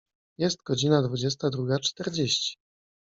Jest godzina dwudziesta druga czterdzieści.